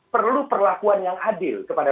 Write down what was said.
perlu perlakuan yang adil kepada